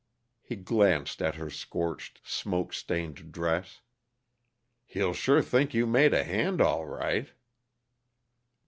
He glanced at her scorched, smoke stained dress. "He'll sure think you made a hand, all right!"